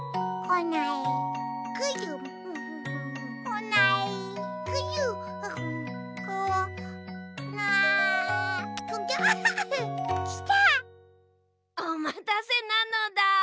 おまたせなのだ。